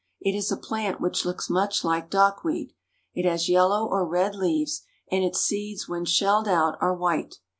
It is a plant which looks much like dockweed. It has yellow or red leaves, and its seeds when shelled out are white.